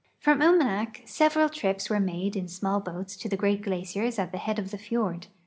From Umanak several trips were made in small boats to the great glaciers at the head of the fiord.